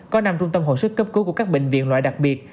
có năm trung tâm hồi sức cấp cứu của các bệnh viện loại đặc biệt